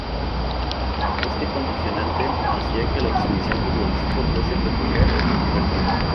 Este condicionante hacía que la exhibición futbolística fuese peculiar y divertida.